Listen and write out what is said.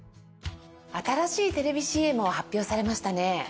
新しいテレビＣＭを発表されましたね。